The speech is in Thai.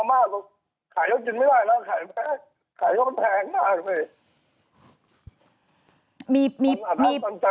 มันช่วยมามันช่วยซิ